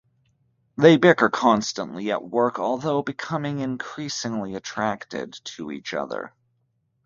They bicker constantly at work although becoming increasingly attracted to each other.